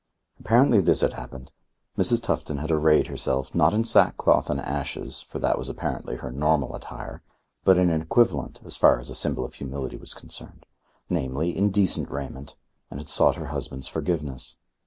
Apparently this had happened: Mrs. Tufton had arrayed herself, not in sackcloth and ashes, for that was apparently her normal attire, but in an equivalent, as far as a symbol of humility was concerned; namely, in decent raiment, and had sought her husband's forgiveness.